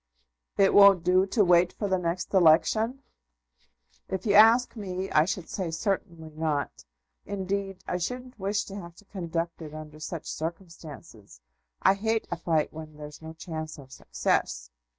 "It won't do to wait for the next election?" "If you ask me, I should say certainly not. Indeed, I shouldn't wish to have to conduct it under such circumstances. I hate a fight when there's no chance of success.